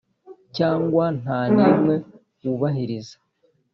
cyangwa nta n’imwe wubahiriza